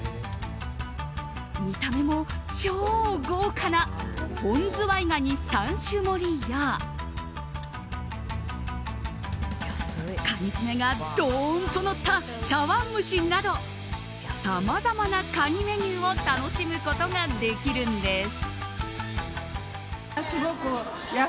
見た目も超豪華な本ズワイガニ三種盛りやカニ爪がどーんとのった茶わん蒸しなどさまざまなカニメニューを楽しむことができるんです。